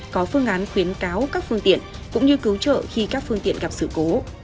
có phương án khuyến cáo các phương tiện cũng như cứu trợ khi các phương tiện gặp sự cố